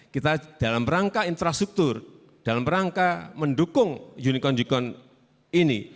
kita dalam rangka infrastruktur dalam rangka mendukung unicorn unicorn ini